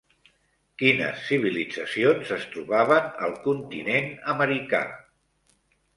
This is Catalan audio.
Quines civilitzacions es trobaven al continent americà?